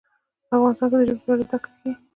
افغانستان کې د ژبې په اړه زده کړه کېږي.